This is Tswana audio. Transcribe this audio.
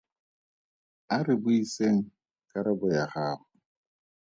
A re buiseng karabo ya gago.